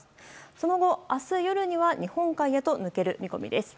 その後、明日夜には日本海へと抜ける見込みです。